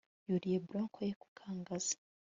yuriye bronco ye ku ngazi